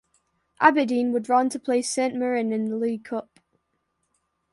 Aberdeen were drawn to play St Mirren in the League Cup.